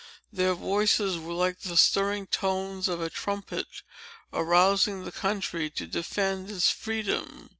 Their voices were like the stirring tones of a trumpet, arousing the country to defend its freedom.